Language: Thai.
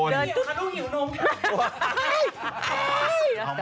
ดูหิวนม